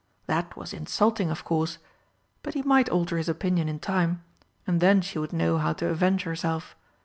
That was insulting, of course, but he might alter his opinion in time and then she would know how to avenge herself.